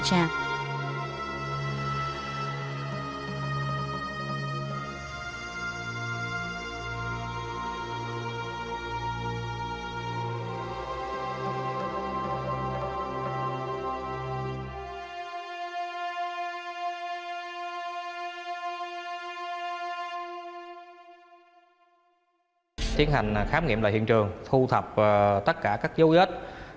chiến hành khám nghiệm lại hiện trường thu thập tất cả các dấu dết